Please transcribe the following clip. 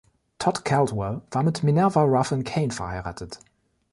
Tod Caldwell war mit Minerva Ruffin Cain verheiratet.